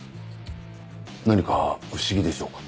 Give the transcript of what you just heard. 何か不思議でしょうか？